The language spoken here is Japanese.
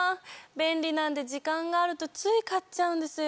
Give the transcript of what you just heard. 便利なんで時間があるとつい買っちゃうんですよ。